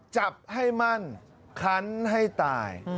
จับให้มั่นคันให้ตาย